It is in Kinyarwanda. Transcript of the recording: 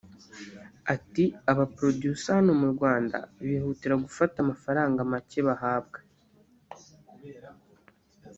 Ati “Aba Producers hano mu Rwanda bihutira gufata amafaranga make bahabwa